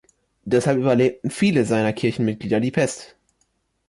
Deshalb überlebten viele seiner Kirchenmitglieder die Pest.